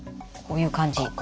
こういう感じ。